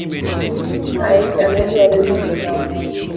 Aisha nedwaro winjo pache.